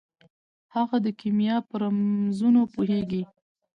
هغه د کیمیا په رمزونو پوهیږي.